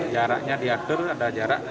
jaraknya diatur ada jarak